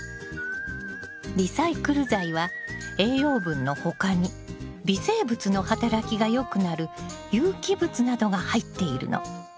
リサイクル材は栄養分の他に微生物の働きがよくなる有機物などが入っているの。